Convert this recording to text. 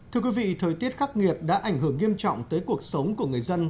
thưa quý vị thời tiết khắc nghiệt đã ảnh hưởng nghiêm trọng tới cuộc sống của người dân